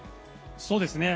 そうですね。